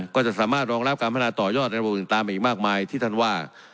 ก็จะสามารถรองรับการพัฒนาต่อยอดในระบบต่างอีกมากมายที่ท่านว่า